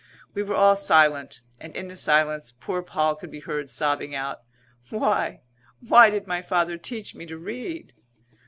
We were all silent; and, in the silence, poor Poll could be heard sobbing out, "Why, why did my father teach me to read?"